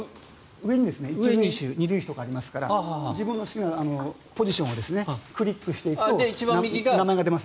上に１塁手、２塁手とかありますから自分の好きなポジションをクリックしていくと名前が出る。